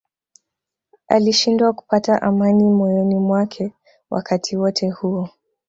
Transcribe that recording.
Alishindwa kupata amani moyoni mwake wakati wote huo